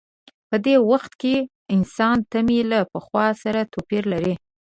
په دې وخت کې د انسان تمې له پخوا سره توپیر لري.